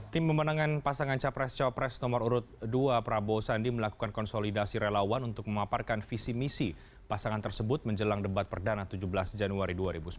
tim pemenangan pasangan capres capres nomor urut dua prabowo sandi melakukan konsolidasi relawan untuk memaparkan visi misi pasangan tersebut menjelang debat perdana tujuh belas januari dua ribu sembilan belas